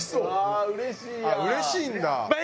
あっうれしいんだ。